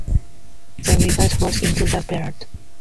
The river flows into the Berd.